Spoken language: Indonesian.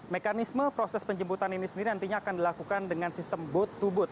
mekanisme proses penjemputan ini sendiri nantinya akan dilakukan dengan sistem boot to boot